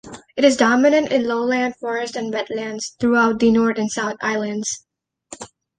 It is dominant in lowland forest and wetlands throughout the North and South Islands.